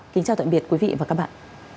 kính chào tạm biệt quý vị và các bạn